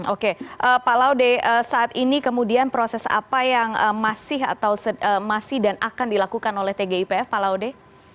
oke pak laude saat ini kemudian proses apa yang masih dan akan dilakukan oleh tgipf pak laude